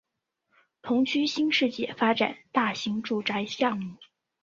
同区新世界发展大型住宅项目